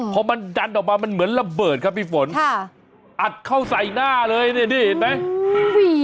พอมันดันออกมามันเหมือนระเบิดครับพี่ฝนค่ะอัดเข้าใส่หน้าเลยเนี่ยนี่เห็นไหม